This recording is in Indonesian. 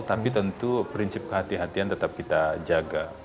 tapi tentu prinsip hati hatian tetap kita jaga